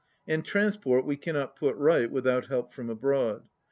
And trans port we cannot put right without help from abroad.